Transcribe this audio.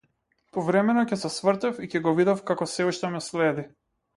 Повремено ќе се свртев и ќе го видев како сѐ уште ме следи.